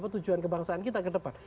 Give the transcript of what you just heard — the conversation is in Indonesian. tujuan kebangsaan kita kedepan